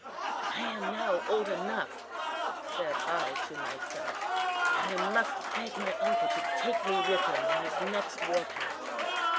"I am now old enough," said I to myself, "and I must beg my uncle to take me with him on his next war path.